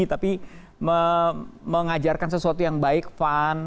tapi mengajarkan sesuatu yang baik fun